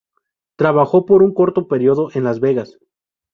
Trabajó por un corto período en Las Vegas.